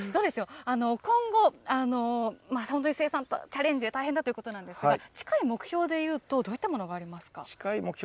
どうでしょう、今後、本当に生産、チャレンジで大変だということなんですが、近い目標でいうと、どういったものがありますか。